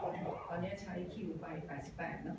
ตอนนี้ใช้คิวไป๘๘นะ